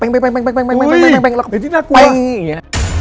เบงเป็นเงี่ย